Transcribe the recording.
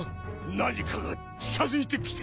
何かが近づいてきておる。